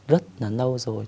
rất là lâu rồi